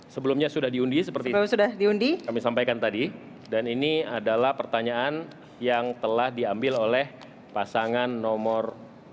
sebelumnya sudah diundi seperti itu sudah kami sampaikan tadi dan ini adalah pertanyaan yang telah diambil oleh pasangan nomor dua